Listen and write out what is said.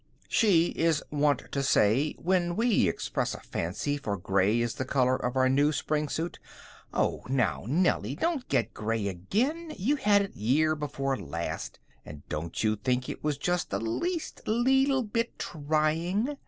She is wont to say, when we express a fancy for gray as the color of our new spring suit: "Oh, now, Nellie, don't get gray again. You had it year before last, and don't you think it was just the least leetle bit trying?